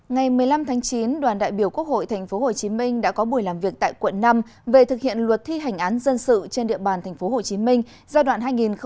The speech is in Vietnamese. ngày một mươi năm tháng chín đoàn đại biểu quốc hội tp hcm đã có buổi làm việc tại quận năm về thực hiện luật thi hành án dân sự trên địa bàn tp hcm giai đoạn hai nghìn một mươi sáu hai nghìn hai mươi